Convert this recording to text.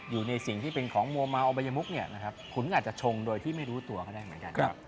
อยู่ในสิ่งที่เป็นของมัวเมาอบัยมุกเนี่ยนะครับคุณก็อาจจะชงโดยที่ไม่รู้ตัวก็ได้เหมือนกัน